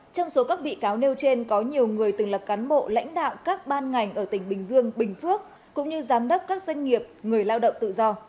trong số các bị cáo nêu trên có nhiều người từng là cán bộ lãnh đạo các ban ngành ở tỉnh bình dương bình phước cũng như giám đốc các doanh nghiệp người lao động tự do